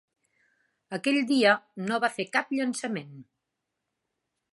Aquell dia, no va fer cap llançament.